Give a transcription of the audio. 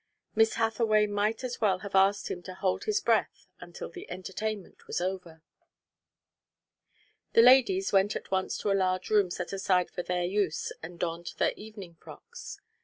Miss Hathaway might as well have asked him to hold his breath until the entertainment was over. The ladies went at once to a large room set aside for their use and donned their evening frocks.